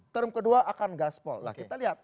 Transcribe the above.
term kedua akan gaspol